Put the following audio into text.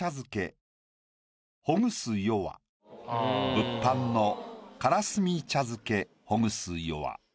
「仏飯のからすみ茶漬けほぐす夜半」。